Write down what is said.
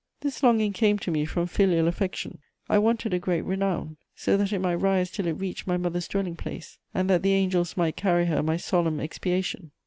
This longing came to me from filial affection: I wanted a great renown, so that it might rise till it reached my mother's dwelling place, and that the angels might carry her my solemn expiation.